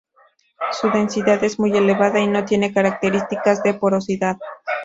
Su densidad es muy elevada y no tiene características de porosidad.